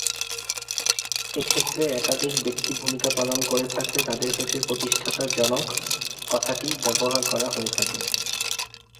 এক্ষেত্রে একাধিক ব্যক্তি ভূমিকা পালন করে থাকলে তাদের ক্ষেত্রে প্রতিষ্ঠাতা জনক কথাটি ব্যবহার করা হয়ে থাকে।